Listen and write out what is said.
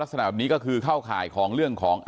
ลักษณะแบบนี้ก็คือเข้าข่ายของเรื่องของ